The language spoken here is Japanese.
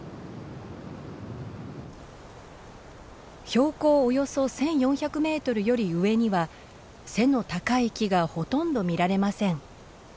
標高およそ１，４００メートルより上には背の高い木がほとんど見られません。